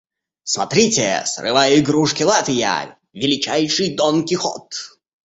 Смотрите — срываю игрушки-латы я, величайший Дон-Кихот!